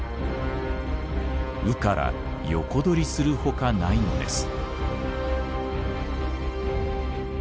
ウから横取りするほかないのです。